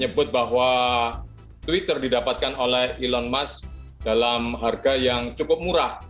menyebut bahwa twitter didapatkan oleh elon musk dalam harga yang cukup murah